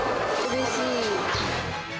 うれしい。